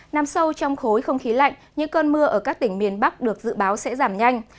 nằm sâu trong khối không khí lạnh những cơn mưa ở các tỉnh miền bắc được dự báo sẽ giảm nhanh